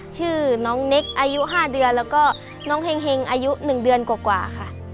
ชื่อน้องเน็กอายุ๕เดือนแล้วก็น้องเฮงอายุ๑เดือนกว่าค่ะ